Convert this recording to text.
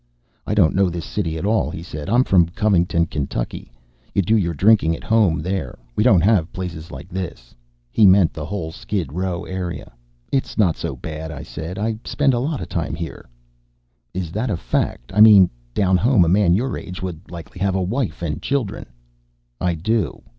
"I don't know this city at all," he said. "I'm from Covington, Kentucky. You do your drinking at home there. We don't have places like this." He meant the whole Skid Row area. "It's not so bad," I said. "I spend a lot of time here." "Is that a fact? I mean, down home a man your age would likely have a wife and children." "I do.